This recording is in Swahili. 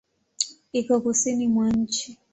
Iko Kusini mwa nchi.